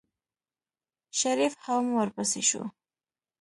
شريف هم ورپسې شو.